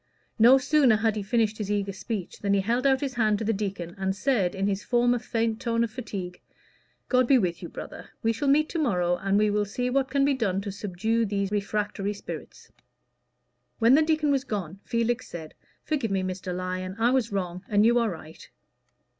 No sooner had he finished his eager speech, than he held out his hand to the deacon, and said, in his former faint tone of fatigue "God be with you, brother. We shall meet to morrow, and we will see what can be done to subdue these refractory spirits." When the deacon was gone, Felix said, "Forgive me, Mr. Lyon; I was wrong, and you are right."